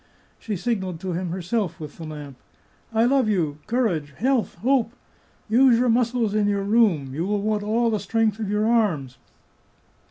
She signalled to him herself, with the lamp :" I love you! Courage! health! hope! Use your muscles in your room; you will want all the strength of your arms."